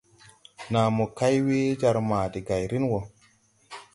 Nàa mo kay we jar ma de gayrin wɔ.